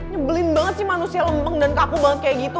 nyebelin banget sih manusia lempeng dan kaku banget kayak gitu